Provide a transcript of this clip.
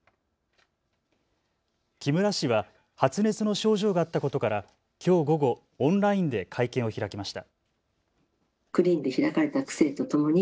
木村氏は発熱の症状があったことから、きょう午後、オンラインで会見を開きました。